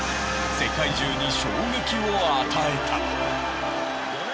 世界中に衝撃を与えた。